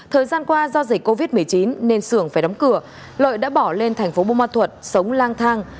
thời gian qua do dịch covid một mươi chín nên sưởng phải đóng cửa lợi đã bỏ lên thành phố bô ma thuật sống lang thang